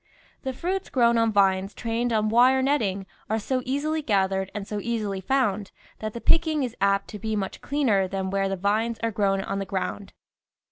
The fruits grown on vines trained on wire net ting are so easily gathered and so easily found that the picking is apt to be much cleaner than where the vines are grown on the ground.